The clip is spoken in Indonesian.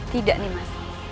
tidak nih mas